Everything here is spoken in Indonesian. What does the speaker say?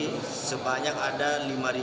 memecahkan rekor muri